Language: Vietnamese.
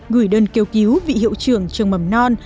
gửi đơn kêu cứu vị hiệu trưởng trường mầm non